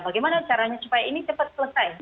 bagaimana caranya supaya ini cepat selesai